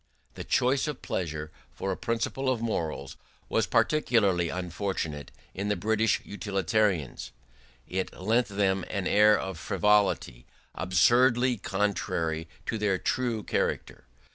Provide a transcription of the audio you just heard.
The choice of pleasure for a principle of morals was particularly unfortunate in the British utilitarians; it lent them an air of frivolity absurdly contrary to their true character.